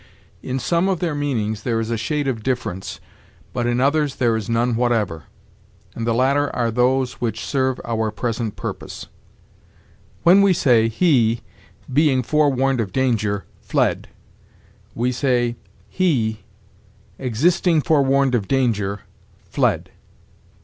In some of their meanings there is a shade of difference, but in others there is none whatever; and the latter are those which serve our present purpose. When we say, "He, being forewarned of danger, fled," we say, "He, existing forewarned of danger, fled."